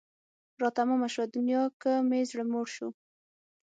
را تمامه شوه دنیا که مې زړه موړ شو